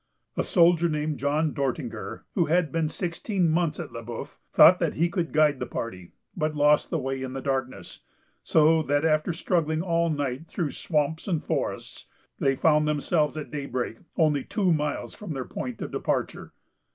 A soldier named John Dortinger, who had been sixteen months at Le Bœuf, thought that he could guide the party, but lost the way in the darkness; so that, after struggling all night through swamps and forests, they found themselves at daybreak only two miles from their point of departure.